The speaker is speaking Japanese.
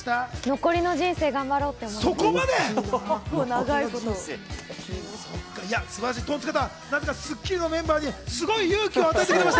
残りの人生、頑張ろうと思いました。